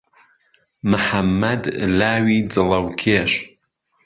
محەممەد لاوی جڵهوکێش